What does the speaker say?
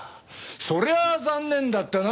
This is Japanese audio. そりゃあ残念だったな！